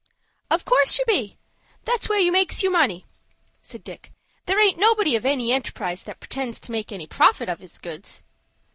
"Of course you be. That's where you makes your money," said Dick. "There aint nobody of any enterprise that pretends to make any profit on his goods."